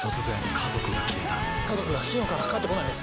家族が金曜から帰って来ないんです。